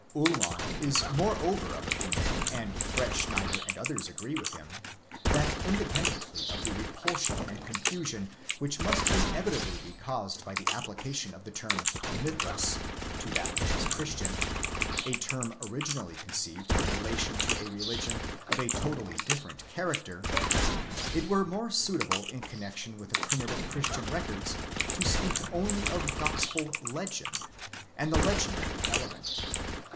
Ullmann is moreover of opinion, and Bretschneider and others agree with him, that independently of the re 7 Bertholdt's Krit. Journal, v. 5. 235. 62 INTRODUCTION. ὃ I0., pulsion and confusion which must inevitably be caused by the application of the term mythus to that which is Christian—a term originally conceived in relation to a religion of a totally different character—it were more suitable, in connexion with the primitive Christian records, to speak only of Gospel Jegend, (Sage) and the legendary element.